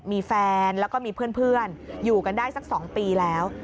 มีแฟนแล้วก็มีเพื่อนอยู่กันได้สัก๒ปีแล้ว